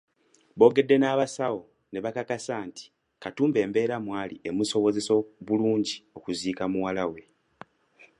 Boogedde n’abasawo ne bakakasa nti Katumba embeera mw’ali emusobozesa bulungi okuziika muwala we.